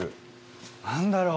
何だろう？